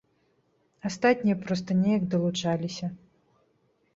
Астатнія проста неяк далучаліся.